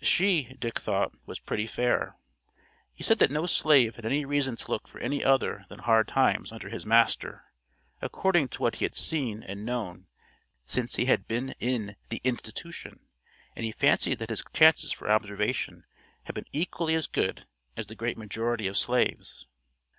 "She," Dick thought "was pretty fair." He said that no slave had any reason to look for any other than hard times under his master, according to what he had seen and known since he had been in the "institution," and he fancied that his chances for observation had been equally as good as the great majority of slaves.